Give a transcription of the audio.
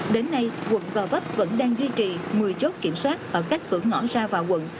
đến nay quận gò vấp vẫn đang duy trì một mươi chốt kiểm soát ở các cửa ngõ ra vào quận